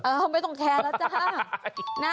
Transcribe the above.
ไม่ต้องแคร์แล้วจ้า